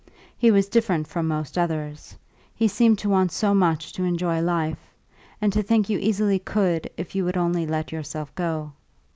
He was different from most others; he seemed to want so much to enjoy life, and to think you easily could if you would only let yourself go.